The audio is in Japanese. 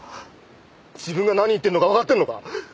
自分が何言ってるのかわかってるのか？